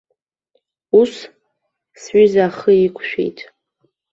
Ус, сҩыза ахы иқәшәеит.